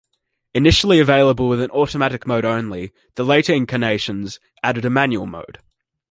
Initially available with an automatic mode only, the later incarnations added a manual mode.